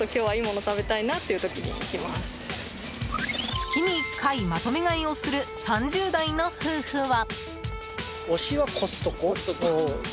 月に１回まとめ買いをする３０代の夫婦は。